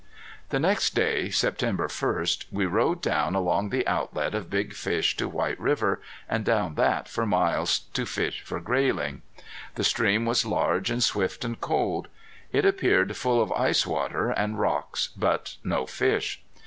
The next day, September first, we rode down along the outlet of Big Fish to White River and down that for miles to fish for grayling. The stream was large and swift and cold. It appeared full of ice water and rocks, but no fish.